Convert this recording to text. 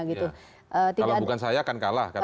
kalau bukan saya akan kalah